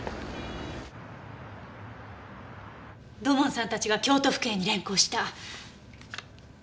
土門さんたちが京都府警に連行した。